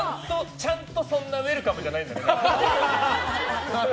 ちゃんとそんなウェルカムじゃない。